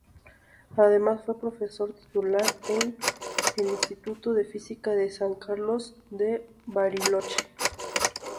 Además fue profesor titular en el Instituto de Física de San Carlos de Bariloche.